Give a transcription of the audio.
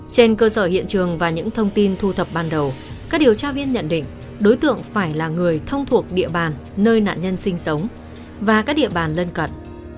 trên cơ sở hiện trường và những thông tin thu thập ban đầu các điều tra viên nhận định đối tượng phải là người thông thuộc địa bàn nơi nạn nhân sinh sống và các địa bàn lân cận